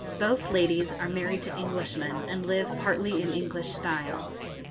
Both ladies are married to Englishmen, and live partly in English style.